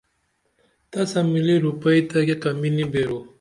تسہ ملی رُپئی تہ کیہ کمی نی بیرو